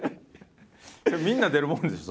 みんな出るもんでしょ？